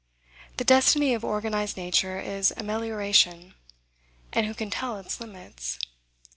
The destiny of organized nature is amelioration, and who can tell its limits?